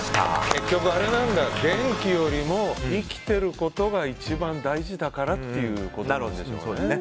結局、電気よりも生きてることが一番大事だからっていうことなんでしょうね。